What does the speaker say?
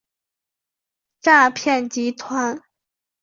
诈骗集团